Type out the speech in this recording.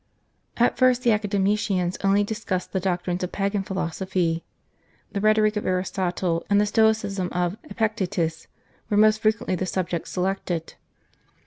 At first the Academicians only discussed the doctrines of pagan philosophy. The rhetoric of Aristotle and the stoicism of Epictetus were most frequently the subjects selected.